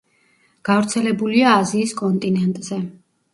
გავრცელებულია აზიის კონტინენტზე.